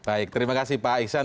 baik terima kasih pak iksan